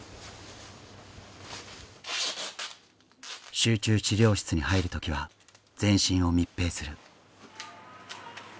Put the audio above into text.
集中治療室に入る時は全身を密閉する。